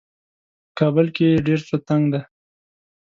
په کابل کې یې ډېر زړه تنګ دی.